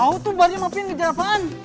aku tuh baru maafin kejar apaan